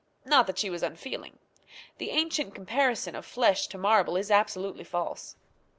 Not that she was unfeeling. The ancient comparison of flesh to marble is absolutely false.